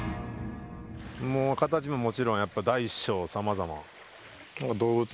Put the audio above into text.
もう形ももちろんやっぱ大小さまざま。